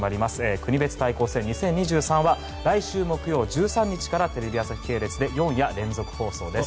国別対抗戦２０２３は来週木曜日１３日からテレビ朝日系列で４夜連続放送です。